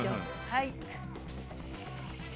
はい。